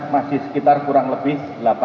masih sekitar kurang lebih